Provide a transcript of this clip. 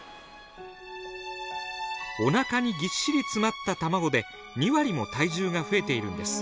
おなかにぎっしり詰まった卵で２割も体重が増えているんです。